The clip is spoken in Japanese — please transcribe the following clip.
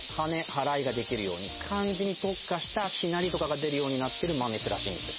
はらいができるように漢字に特化したしなりとかが出るようになってる万年筆らしいんですよ